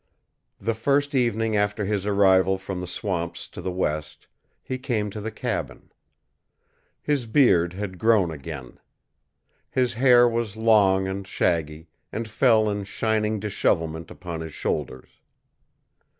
The first evening after his arrival from the swamps to the west, he came to the cabin. His beard had grown again. His hair was long and shaggy, and fell in shining dishevelment upon his shoulders.